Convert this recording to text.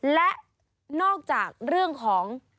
และนอกจากเรื่องของ